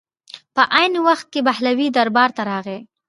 په عین وخت کې بهلول دربار ته راغی.